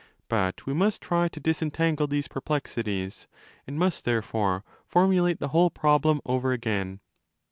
But we must try to disentangle these perplexities, and must therefore formu late the whole problem over again.